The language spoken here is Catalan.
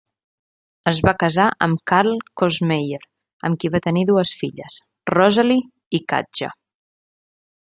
Es va casar amb Karl Kossmayer, amb qui va tenir dues filles, Rosalie i Katja.